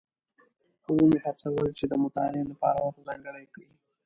ومې هڅول چې د مطالعې لپاره وخت ځانګړی کړي.